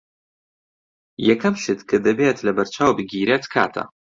یەکەم شت کە دەبێت لەبەرچاو بگیرێت کاتە.